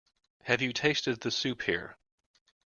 Have you tasted the soup here?